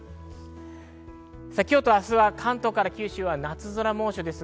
今日と明日は関東から九州は夏空、猛暑です。